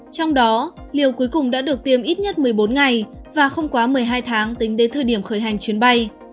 trong đó liều cuối cùng đã được tiêm ít nhất một mươi bốn ngày và không quá một mươi hai tháng tính đến thời điểm khởi hành chuyến bay